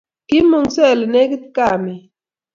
Koimungso olenegit kamit